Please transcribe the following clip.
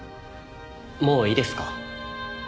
もういいですか？